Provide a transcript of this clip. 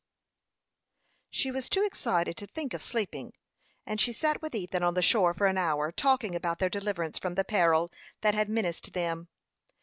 She was too excited to think of sleeping, and she sat with Ethan on the shore for an hour, talking about their deliverance from the peril that had menaced them.